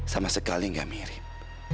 sama sekali gak mirip